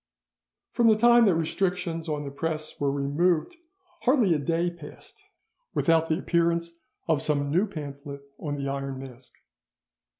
From the time that restrictions on the press were removed, hardly a day passed without the appearance of some new pamphlet on the Iron Mask.